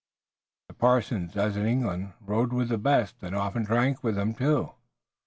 The parsons, as in England, rode with the best, and often drank with them too.